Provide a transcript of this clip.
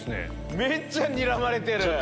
めっちゃにらまれてる！